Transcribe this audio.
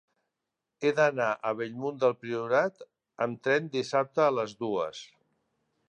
He d'anar a Bellmunt del Priorat amb tren dissabte a les dues.